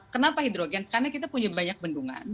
kenapa hidrogen karena kita punya banyak bendungan